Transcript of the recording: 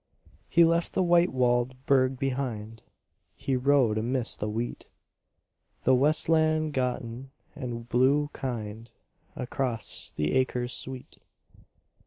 He left the white walled burg behind, He rode amidst the wheat. The westland gotten wind blew kind Across the acres sweet.